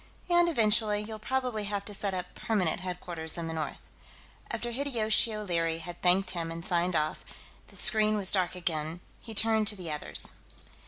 And, eventually, you'll probably have to set up permanent headquarters in the north." After Hideyoshi O'Leary had thanked him and signed off, and the screen was dark again, he turned to the others.